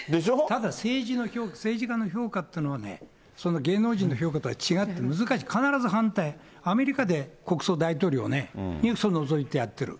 ただ、政治家の評価っていうのはね、その芸能人の評価とは違って難しい、必ず反対、アメリカで国葬、大統領ね、ニクソン除いてやってる。